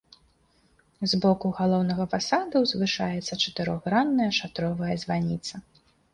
З боку галоўнага фасада ўзвышаецца чатырохгранная шатровая званіца.